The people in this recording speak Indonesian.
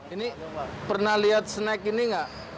ini pernah lihat snack ini nggak